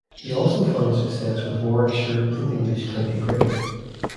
He also found success with Warwickshire in English County cricket.